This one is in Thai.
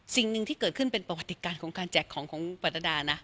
สิ่งหนึ่งที่เกิดขึ้นเป็นประวัติการของการแจกของของปรัฐดานะ